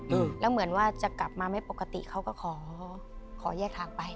อืมแล้วเหมือนว่าจะกลับมาไม่ปกติเขาก็ขอขอแยกทางไป